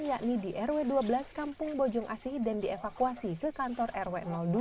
yakni di rw dua belas kampung bojong asih dan dievakuasi ke kantor rw dua